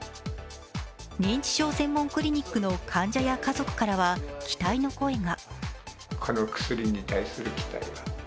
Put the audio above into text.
認知症専門クリニックの患者や家族からは期待の声が。